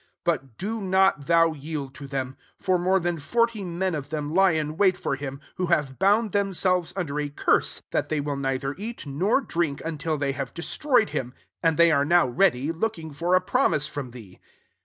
21 But do not thou yield to them : for more than forty' men of them lie in wait for him, who have bound them<f selves under a curse, that they will neither eat nor drink until they have destroyed him : and they are now ready, looking for a promise from thee."